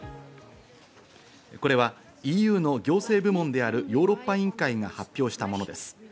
これはＥＵの行政部門であるヨーロッパ委員会が発表したものです。